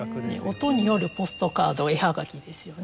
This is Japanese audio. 音によるポストカード絵はがきですよね。